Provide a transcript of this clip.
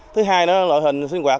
thứ hai là loại hình sinh hoạt